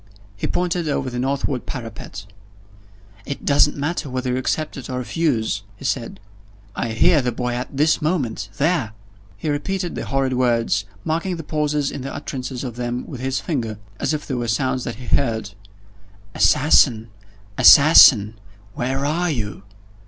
He pointed over the northward parapet. "It doesn't matter whether you accept or refuse," he said, "I hear the boy at this moment there!" He repeated the horrid words marking the pauses in the utterance of them with his finger, as if they were sounds that he heard: "Assassin! Assassin! where are you?"